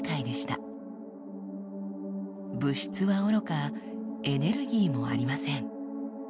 物質はおろかエネルギーもありません。